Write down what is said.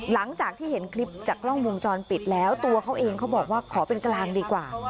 หลังจากที่เห็นคลิปจากกล้องวงจรปิดแล้วตัวเขาเองเขาบอกว่าขอเป็นกลางดีกว่า